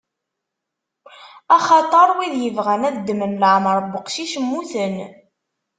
Axaṭer wid yebɣan ad ddmen leɛmeṛ n uqcic, mmuten.